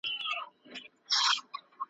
نوح ته ولاړم تر توپانه `